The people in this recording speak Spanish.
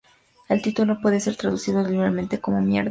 El título puede ser traducido libremente como "mierda".